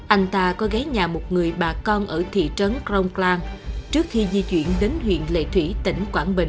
anh ta có gấy nhà một người bà con ở thị trấn kronkland trước khi di chuyển đến huyện lệ thủy tỉnh quảng bình